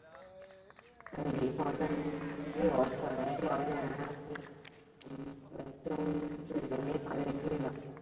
李奉三后来又调任安徽省蚌埠市中级人民法院院长。